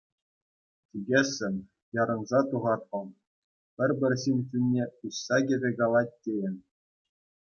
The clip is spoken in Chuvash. Тикӗссӗн, ярӑнса тухать вӑл, пӗр-пӗр ҫын чунне уҫса кӗвӗ калать тейӗн.